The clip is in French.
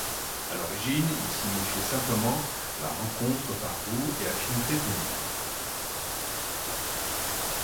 À l'origine, il signifiait simplement la rencontre par goûts et affinités communes.